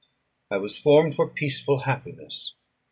I was formed for peaceful happiness.